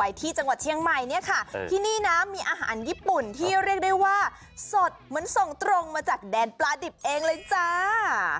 ไปที่จังหวัดเชียงใหม่เนี่ยค่ะที่นี่นะมีอาหารญี่ปุ่นที่เรียกได้ว่าสดเหมือนส่งตรงมาจากแดนปลาดิบเองเลยจ้า